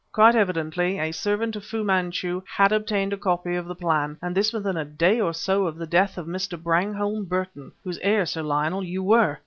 Quite evidently, a servant of Fu Manchu had obtained a copy of the plan and this within a day or so of the death of Mr. Brangholme Burton whose heir, Sir Lionel, you were!